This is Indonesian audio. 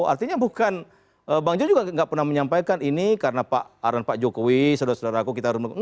artinya bukan bang jo juga tidak pernah menyampaikan ini karena pak aron pak jokowi saudara saudaraku kita harus mendukung